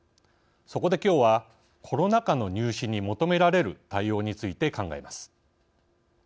そこで、きょうはコロナ禍の入試に求められる対応について考えます。